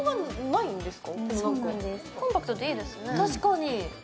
確かに！